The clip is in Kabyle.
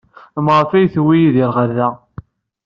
Maɣef ay d-tewwi Yidir ɣer da?